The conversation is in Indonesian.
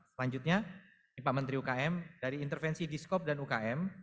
selanjutnya ini pak menteri ukm dari intervensi diskop dan ukm